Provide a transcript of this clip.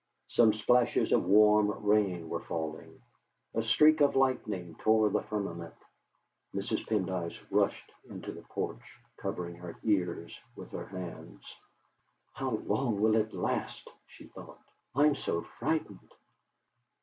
Some splashes of warm rain were falling. A streak of lightning tore the firmament. Mrs. Pendyce rushed into the porch covering her ears with her hands. '.ow long will it last?' she thought. 'I'm so frightened!'...